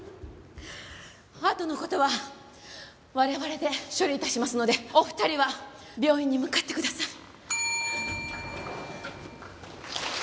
あとの事は我々で処理致しますのでお二人は病院に向かってください。